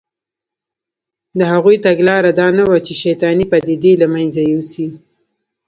د هغوی تګلاره دا نه وه چې شیطانې پدیدې له منځه یوسي